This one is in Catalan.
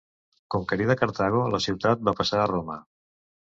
Conquerida Cartago la ciutat va passar a Roma.